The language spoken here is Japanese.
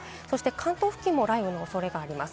関東付近も雷雨の恐れがあります。